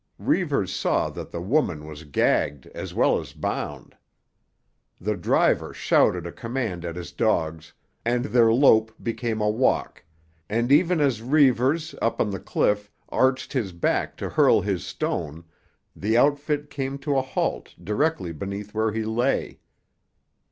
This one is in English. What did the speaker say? Reivers saw that the woman was gagged as well as bound. The driver shouted a command at his dogs, and their lope became a walk, and even as Reivers, up on the cliff, arched his back to hurl his stone, the outfit came to a halt directly beneath where he lay.